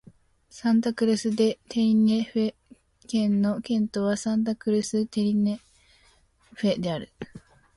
サンタ・クルス・デ・テネリフェ県の県都はサンタ・クルス・デ・テネリフェである